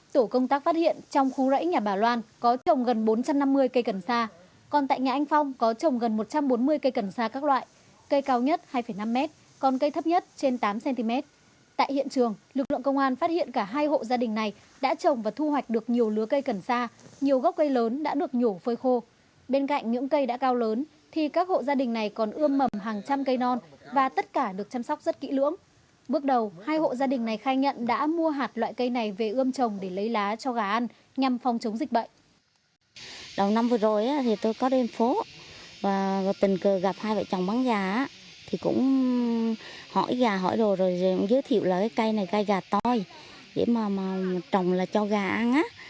thì cũng hỏi gà hỏi đồ rồi giới thiệu là cái cây này cây gà toi để mà trồng là cho gà ăn á